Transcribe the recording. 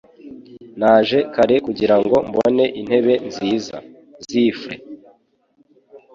Naje kare kugirango mbone intebe nziza. (Zifre)